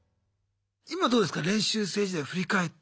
今どうですか練習生時代振り返って。